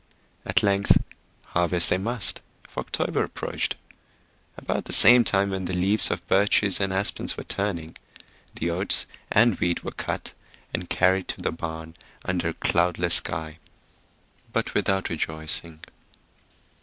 At length, harvest they must, for October approached. About the time when the leaves of birches and aspens were turning, the oats and the wheat were cut and carried to the barn under a cloudless sky, but without rejoicing.